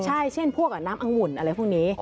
ใช่เช่นพวกน้ำอังุ่นอะไรพวกนี้